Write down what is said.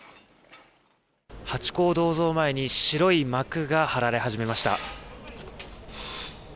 ハチ公銅像前に白い幕が張られ始めました。